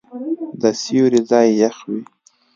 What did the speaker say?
د سیوري ځای یخ وي.